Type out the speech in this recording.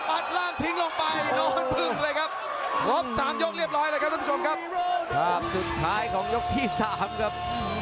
ภาพสุดท้ายของยกที่๓ครับ